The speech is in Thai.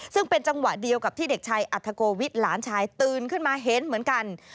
ซึ่งเป็นจังหวะเดียวกับที่เด็กชายอัธโกวิทย์หลานชายตื่นขึ้นมาเห็นเหมือนกัน